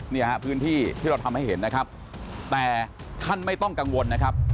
เนี่ยฮะพื้นที่ที่เราทำให้เห็นนะครับแต่ท่านไม่ต้องกังวลนะครับ